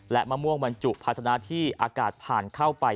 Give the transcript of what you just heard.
และมะม่วงบรรจุภาษณะที่อากาศผ่านเข้าไป